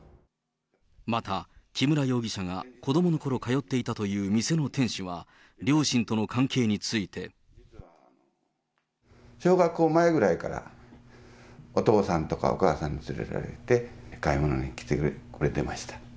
また、木村容疑者が子どものころ通っていたという店の店主は、両親との関係について。小学校前ぐらいから、お父さんとかお母さんに連れられて、買い物に来てくれてました。